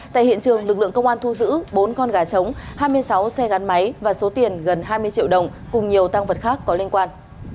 tại hiện trường lực lượng công an thu giữ bốn con gà trống hai mươi sáu xe gắn máy và số tiền gần hai mươi triệu đồng cùng nhiều tăng vật khác có liên quan